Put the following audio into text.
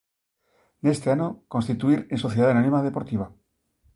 Neste ano constituír en Sociedade anónima deportiva.